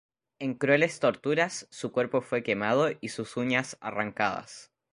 En crueles torturas su cuerpo fue quemado y sus uñas arrancadas.